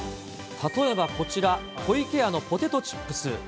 例えばこちら、湖池屋のポテトチップス。